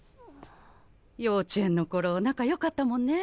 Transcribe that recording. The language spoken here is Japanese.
幼稚園の頃仲良かったもんね。